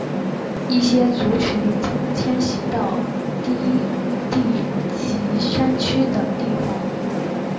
一些族群曾迁徙到低地及山区的地方。